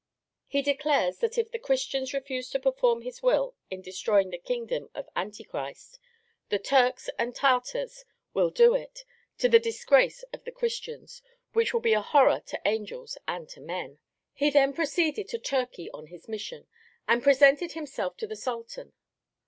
He declares that if the Christians refuse to perform his will in destroying the kingdom of Antichrist, the Turks and Tartars shall do it, to the disgrace of the Christians, which will be a horror to angels and to men. He then proceeded to Turkey on his mission, and presented himself to the Sultan.